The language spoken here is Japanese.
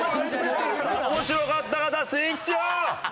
面白かった方スイッチオン！